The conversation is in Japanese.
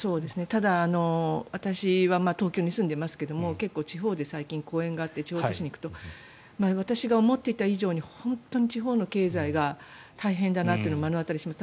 ただ、私は東京に住んでますけども結構地方で最近、公演があって地方都市に行くと私が思っていた以上に本当に地方の経済が大変だなというのを目の当たりにします。